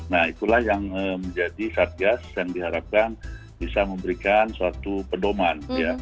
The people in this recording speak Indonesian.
nah itulah yang menjadi satgas yang diharapkan bisa memberikan suatu pedoman